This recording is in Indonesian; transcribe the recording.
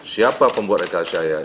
siapa pembuat rekayasa saya